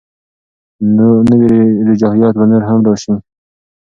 نوي رجحانات به نور هم راشي.